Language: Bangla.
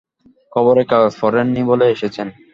খবরের কাগজ পড়েন নি বলে এসেছেন।